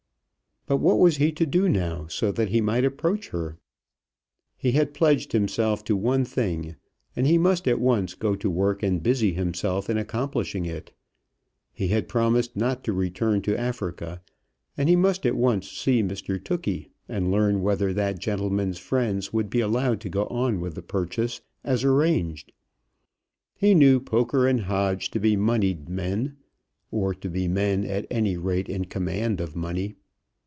But what was he to do now, so that he might approach her? He had pledged himself to one thing, and he must at once go to work and busy himself in accomplishing it. He had promised not to return to Africa; and he must at once see Mr Tookey, and learn whether that gentleman's friends would be allowed to go on with the purchase as arranged. He knew Poker & Hodge to be moneyed men, or to be men, at any rate, in command of money.